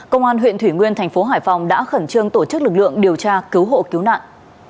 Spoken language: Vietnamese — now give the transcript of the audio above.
công an huyện thủy nguyên thành phố hải phòng đã khẩn trương tổ chức lực lượng điều tra cứu hộ cứu nạn